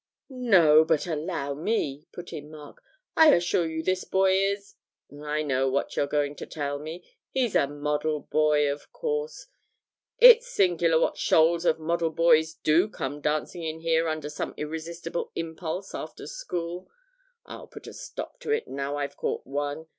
'No, but allow me,' put in Mark; 'I assure you this boy is ' 'I know what you're going to tell me he's a model boy, of course. It's singular what shoals of model boys do come dancing in here under some irresistible impulse after school. I'll put a stop to it now I've caught one.